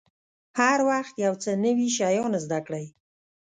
هر وخت یو څه نوي شیان زده کړئ.